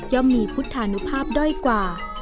มีพุทธานุภาพด้อยกว่า